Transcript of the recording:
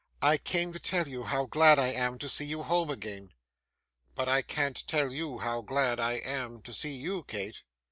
'I came to tell you how glad I am to see you home again.' 'But I can't tell you how glad I am to see you, Kate.